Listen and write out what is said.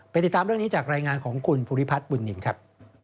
ติดตามเรื่องนี้จากรายงานของคุณภูริพัฒน์บุญนินครับ